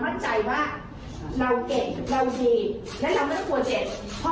หรือจะไปตายสนามที่อื่นเป็นที่๔เกม